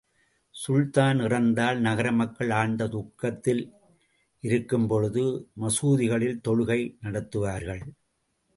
சுல்தான் இறந்ததால், நகரமக்கள் ஆழ்ந்த துக்கத்தில் இருக்கும்பொழுது மசூதிகளில் தொழுகை நடத்துவார்கள்.